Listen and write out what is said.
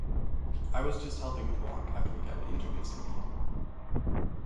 I was just helping him walk after he got injured in the stampede.